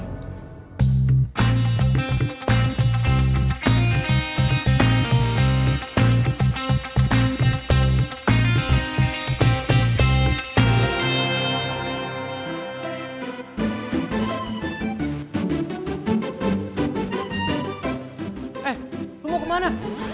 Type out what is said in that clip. eh lu mau kemana